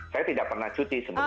saya tidak pernah cuti sebenarnya